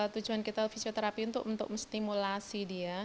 tujuan kita fisioterapi untuk menstimulasi dia